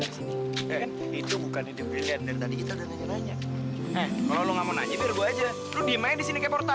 ya nanti gue bikinin di dalam kalau lo mau gimana